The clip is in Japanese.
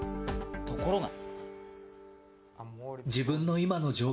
ところが。